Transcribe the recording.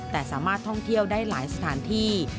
แต่สามารถท่องเที่ยวได้หลายสถานที่